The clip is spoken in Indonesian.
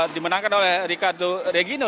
dimenangkan oleh ricardo regino